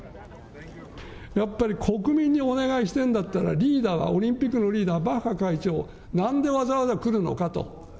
やっぱり国民にお願いしてるんだったら、リーダーは、オリンピックのリーダー、バッハ会長、なんでわざわざ来るのかと。